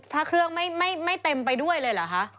พระเครื่องไม่เต็มไปด้วยเลยเหรอคะ